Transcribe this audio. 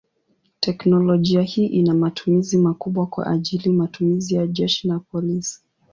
Teknolojia hii ina matumizi makubwa kwa ajili matumizi ya jeshi na polisi.